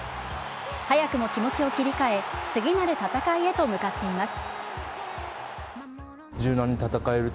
早くも気持ちを切り替え次なる戦いへと向かっています。